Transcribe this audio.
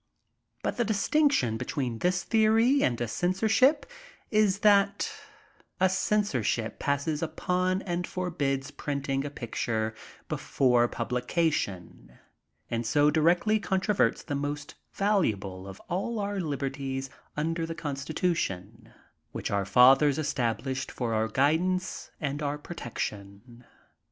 But the distinction between thu dieory and a cen sorship is that a censorship passes iq>on and forbids printing a picture BEFORE PUBLICATION, and so direcdy controverts the most valuable of all our liberties under the Constitution, which our fathers established for our guidance and our protection.